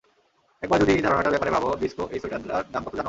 একবার যদি এই ধারণাটার ব্যাপারে ভাবো, ব্রিসকো, এই সোয়েটারের দাম কত জানো?